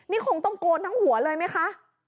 นี่คงต้องโกนทั้งหัวเลยไหมคะ